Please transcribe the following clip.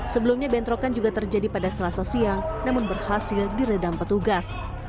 sebelumnya bentrokan juga terjadi pada selasa siang namun berhasil diredam petugas